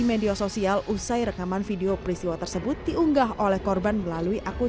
media sosial usai rekaman video peristiwa tersebut diunggah oleh korban melalui akun